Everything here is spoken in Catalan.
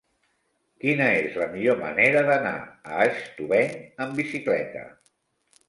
Quina és la millor manera d'anar a Estubeny amb bicicleta?